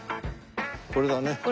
これだね。